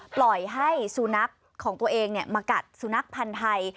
ปล่อยให้สุนัขของตัวเองมากัดสุนัขพันธ์ไทย